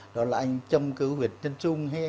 đó là anh châm cứu huyệt nhân trung hay